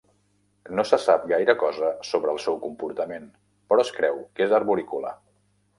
No se sap gaire cosa sobre el seu comportament, però es creu que és arborícola.